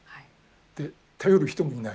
で頼る人もいない。